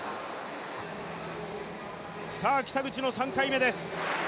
北口の３回目です。